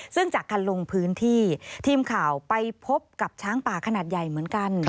ซึ่งจากการลงพื้นที่ทีมข่าวไปพบกับช้างป่าขนาดใหญ่เหมือนกัน